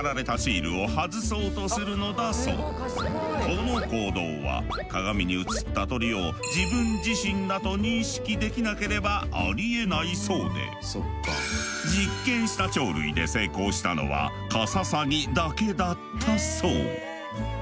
この行動は鏡に映った鳥を自分自身だと認識できなければありえないそうで実験した鳥類で成功したのはカササギだけだったそう。